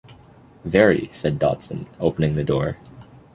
‘Very,’ said Dodson, opening the door.